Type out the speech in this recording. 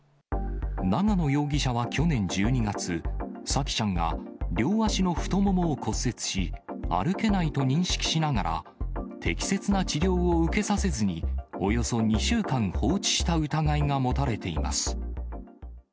長野容疑者は去年１２月、沙季ちゃんが両足の太ももを骨折し、歩けないと認識しながら、適切な治療を受けさせずに、およそ２週間放置した疑いが持たれています。